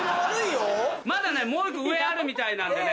まだねもう１個上あるみたいなんでね